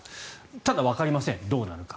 ただ、わかりませんどうなのか。